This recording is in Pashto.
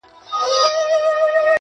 همدغه دروند دغه ستایلی وطن!!